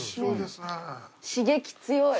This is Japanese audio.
刺激強い。